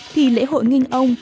thì lễ hội nginh âu